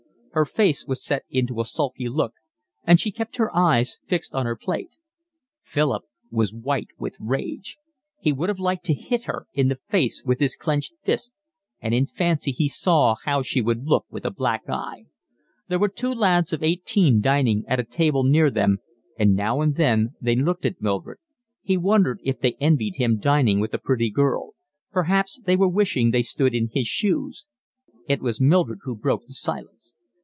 Her face was set into a sulky look, and she kept her eyes fixed on her plate. Philip was white with rage. He would have liked to hit her in the face with his clenched fist, and in fancy he saw how she would look with a black eye. There were two lads of eighteen dining at a table near them, and now and then they looked at Mildred; he wondered if they envied him dining with a pretty girl; perhaps they were wishing they stood in his shoes. It was Mildred who broke the silence.